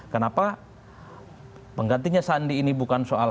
kenapa penggantinya sandi ini bukan soal